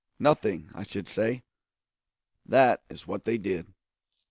Nothing, I should say. That is what they did.